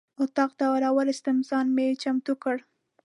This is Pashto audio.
اتاق ته راورسېدم ځان مې چمتو کړ.